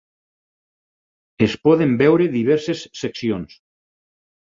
Es poden veure diverses seccions.